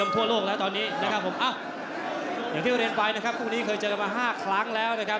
พรุ่งนี้เคยเจอมา๕ครั้งแล้วนะครับ